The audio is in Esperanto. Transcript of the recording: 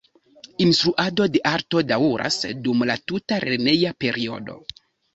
Instruado de arto daŭras dum la tuta lerneja periodo.